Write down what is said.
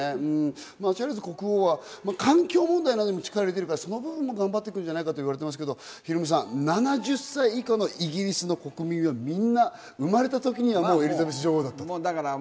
チャールズ国王は環境問題などに力を入れているから、その部分を頑張っていくんじゃないかということですが、７０歳以下のイギリスの国民は、みんな生まれた時にはエリザベス女王だったと。